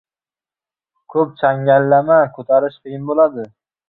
• Ko‘p changallama, ko‘tarish qiyin bo‘ladi.